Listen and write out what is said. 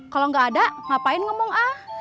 kalau nggak ada ngapain ngomong ah